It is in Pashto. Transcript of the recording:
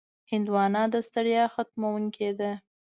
هندوانه د ستړیا ختموونکې ده.